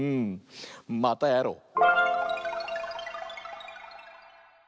またやろう！